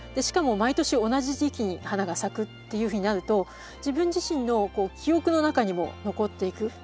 しかも毎年同じ時期に花が咲くっていうふうになると自分自身の記憶の中にも残っていく。